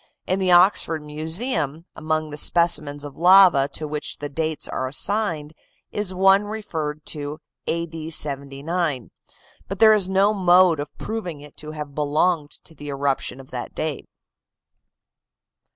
In the Oxford Museum, among the specimens of lava to which the dates are assigned, is one referred to A. D. 79, but there is no mode of proving it to have belonged to the eruption of that date.